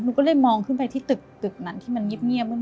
หนูก็เลยมองขึ้นไปที่ตึกนั้นที่มันงิบเงียบเมื่อ